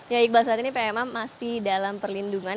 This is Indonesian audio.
ya iqbal saat ini pma masih dalam perlindungan